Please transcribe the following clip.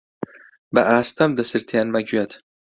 بە ئاستەم دەسرتێنمە گوێت: